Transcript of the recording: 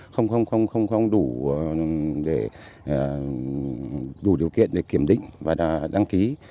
không đủ điều kiện để kiểm định và đăng ký